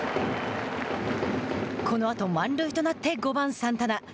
このあと満塁となって５番サンタナ。